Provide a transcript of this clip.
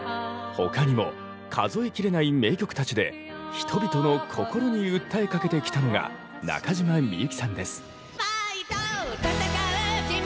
他にも数えきれない名曲たちで人々の心に訴えかけてきたのが中島みゆきさんです。